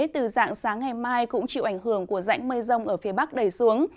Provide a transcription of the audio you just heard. từ dạng sáng ngày mai cũng chịu ảnh hưởng của rãnh mây rông ở phía bắc đẩy xuống